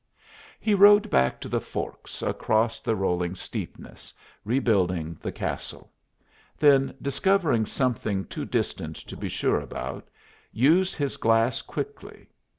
He rode back to the forks across the rolling steepness, rebuilding the castle; then, discovering something too distant to be sure about, used his glass quickly.